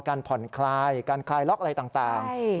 การผ่อนคลายการคลายล็อกอะไรต่างคุณภาสเติมห